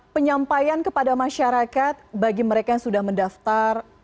penyampaian kepada masyarakat bagi mereka yang sudah mendaftar